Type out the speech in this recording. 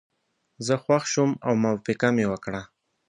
زه خوښ شوم او موافقه مې وکړه.